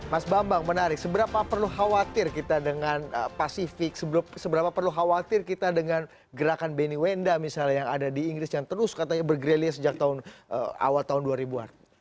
mas bambang menarik seberapa perlu khawatir kita dengan pasifik seberapa perlu khawatir kita dengan gerakan benny wenda misalnya yang ada di inggris yang terus katanya bergerilya sejak awal tahun dua ribu an